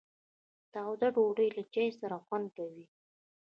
تاوده ډوډۍ له چای سره خوند کوي.